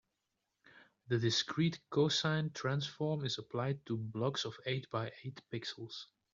The discrete cosine transform is applied to blocks of eight by eight pixels.